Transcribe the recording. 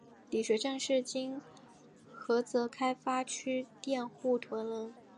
李学政是今菏泽开发区佃户屯人。